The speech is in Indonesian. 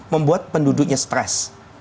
membuat penduduknya stres